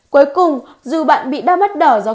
cuối cùng dù bạn bị đau mắt đỏ do